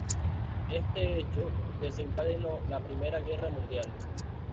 Este hecho desencadenó la Primera Guerra Mundial.